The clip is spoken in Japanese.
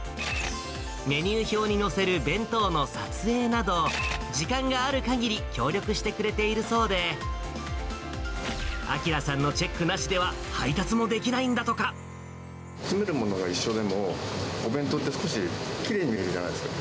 メニュー表に載せる弁当の撮影など、時間があるかぎり、協力してくれているそうで、晃さんのチェックなしでは、詰めるものが一緒でも、お弁当って、少しきれいに見えるじゃないですか。